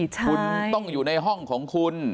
คุณต้องอยู่ในห้องของคุณ